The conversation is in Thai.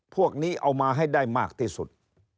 พวกนี้เอามาให้ได้มากที่สุด